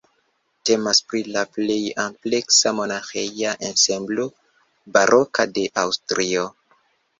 Temas pri la plej ampleksa monaĥeja ensemblo baroka de Aŭstrio.